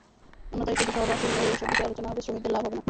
অন্যথায় শুধু সভা সেমিনারেই এসব বিষয়ে আলোচনা হবে, শ্রমিকদের লাভ হবে না।